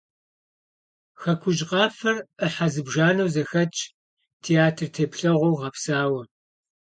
«Хэкужь къафэр» Ӏыхьэ зыбжанэу зэхэтщ, театр теплъэгъуэу гъэпсауэ.